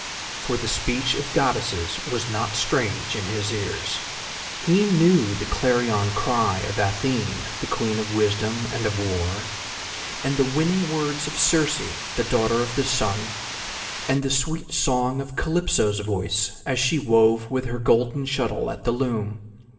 For the speech of goddesses was not strange in his ears; he knew the clarion cry of Athene, the Queen of Wisdom and of War; and the winning words of Circe, the Daughter of the Sun, and the sweet song of Calypso's voice as she wove with her golden shuttle at the loom.